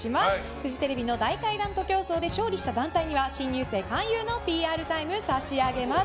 フジテレビの大階段徒競走で勝利した団体には新入生勧誘のＰＲタイム差し上げます。